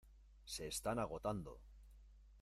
Se están agotando.